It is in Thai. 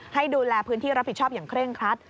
ให้ดูแลพื้นที่รับผิดชอบอย่างเคร่งครัด